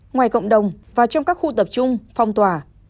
ngoài cộng đồng và trong các khu tập trung phong tỏa